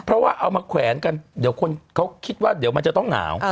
เพราะว่าเอามาแขวนกันเดี๋ยวคนเขาคิดว่าเดี๋ยวมันจะต้องหนาว